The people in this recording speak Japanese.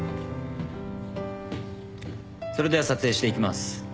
それでは撮影していきます。